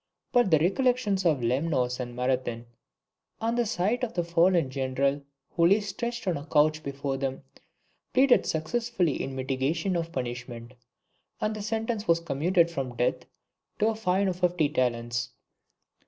But the recollections of Lemnos and Marathon, and the sight of the fallen general who lay stretched on a couch before them, pleaded successfully in mitigation of punishment, and the sentence was commuted from death to a fine of fifty talents.